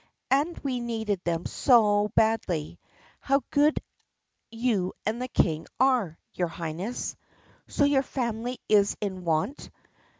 And we needed them so badly! How good you and the King are, your Highness!" "So your family is in want?